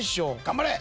頑張れ！